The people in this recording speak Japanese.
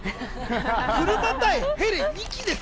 車対ヘリ２機です。